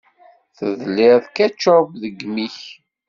Teḍliḍ ketchup deg imi-k.